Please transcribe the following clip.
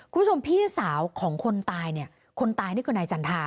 คุณผู้ชมพี่สาวของคนตายคนตายนี่ก็ในจันทรา